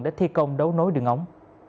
để thi công đấu nối đường ống